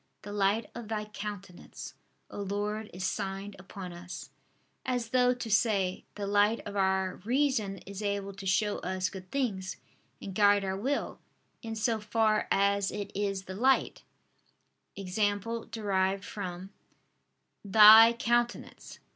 The light of Thy countenance, O Lord, is signed upon us": as though to say: "The light of our reason is able to show us good things, and guide our will, in so far as it is the light (i.e. derived from) Thy countenance."